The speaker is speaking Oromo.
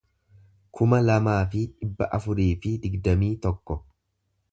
kuma lamaa fi dhibba afurii fi digdamii tokko